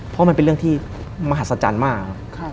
เพราะมันเป็นเรื่องที่มหัศจรรย์มาก